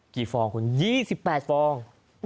กี่ฟองคุณ๒๘ฟอง